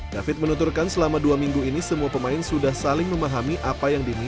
david menuturkan selama dua minggu ini semua pemain sudah saling memahami apa yang dimiliki